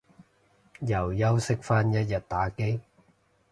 又休息返一日打機